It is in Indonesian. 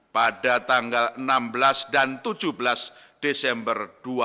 pada tanggal enam belas dan tujuh belas desember dua ribu dua puluh